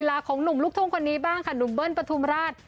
ลาของหนุ่มลูกทุ่งคนนี้บ้างค่ะหนุ่มเบิ้ลปฐุมราช